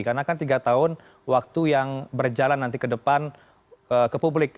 karena kan tiga tahun waktu yang berjalan nanti ke depan ke publik